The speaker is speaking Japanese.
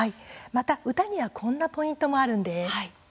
歌にはこんなポイントもあるんです。